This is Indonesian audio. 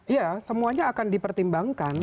ya semuanya akan dipertimbangkan